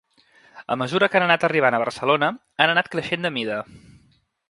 A mesura que han anat arribant a Barcelona han anat creixent de mida.